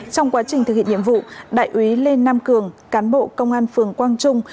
trong quá trình thực hiện nhiệm vụ đại úy lê nam cường cán bộ công an phường quang trung